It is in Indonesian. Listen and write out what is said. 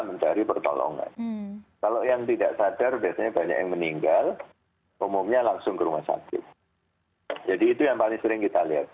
menghindarkan indonesia dari polio